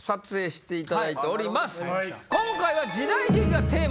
今回は。